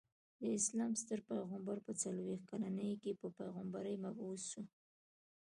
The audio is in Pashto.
د اسلام ستر پيغمبر په څلويښت کلني کي په پيغمبری مبعوث سو.